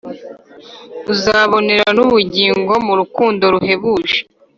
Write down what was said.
Uzaboner'ubugingo mu rukundo ruhebuje